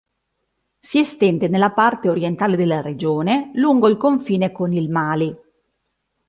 Si estende nella parte orientale della regione, lungo il confine con il Mali.